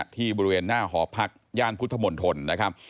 ที่บริเวณหน้าหอพักย่านพุทธมนตรนะครับ